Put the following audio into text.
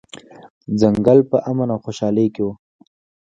ځنګل په امن او خوشحالۍ کې و.